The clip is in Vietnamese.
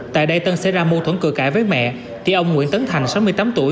tại đây tân xảy ra mâu thuẫn cự cãi với mẹ thì ông nguyễn tấn thành sáu mươi tám tuổi